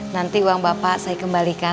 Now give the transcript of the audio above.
nanti uang bapak saya kembalikan